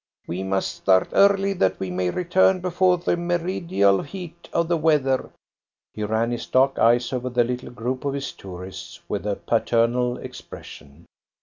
"We must start early that we may return before the meridial heat of the weather." He ran his dark eyes over the little group of his tourists with a paternal expression.